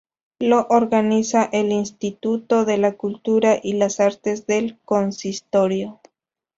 Lo organiza el Instituto de la Cultura y las Artes del consistorio.